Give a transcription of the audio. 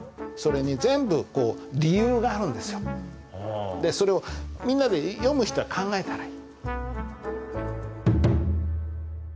それにでそれをみんなで読む人は考えたらいい。